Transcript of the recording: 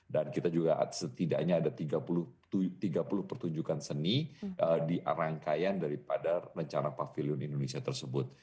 dan kita juga setidaknya ada tiga puluh pertunjukan seni di rangkaian daripada rencana pavilion indonesia tersebut